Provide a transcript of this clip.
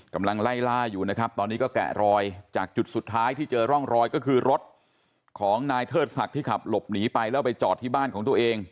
กำลังไล่ล่าอยู่นะครับตอนนี้ก็แกะรอยจากจุดสุดท้ายที่เจอร่องรอยก็คือรถของนายเทิดศักดิ์ที่ขับหลบหนีไปแล้วไปจอดที่บ้านของตัวเอง